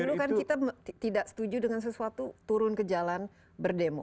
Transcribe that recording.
dulu kan kita tidak setuju dengan sesuatu turun ke jalan berdemo